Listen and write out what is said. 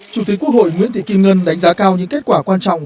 chủ tịch quốc hội nguyễn thị kim ngân đánh giá cao những kết quả quan trọng